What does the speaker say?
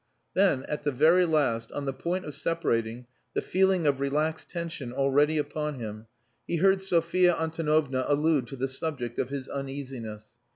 Then, at the very last, on the point of separating, the feeling of relaxed tension already upon him, he heard Sophia Antonovna allude to the subject of his uneasiness.